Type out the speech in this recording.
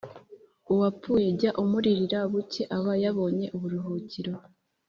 Uwapfuye jya umuririra buke, aba yabonye uburuhukiro,